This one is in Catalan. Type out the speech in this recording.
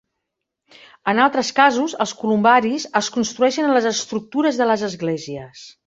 En altres casos, els columbaris es construeixen a les estructures de les esglésies.